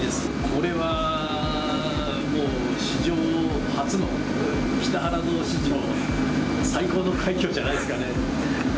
これはもう、史上初の、北原堂史上最高の快挙じゃないですかね。